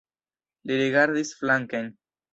Li rigardis flanken.